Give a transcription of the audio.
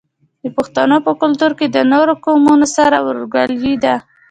د پښتنو په کلتور کې د نورو قومونو سره ورورولي ده.